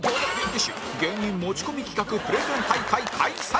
次週芸人持ち込み企画プレゼン大会開催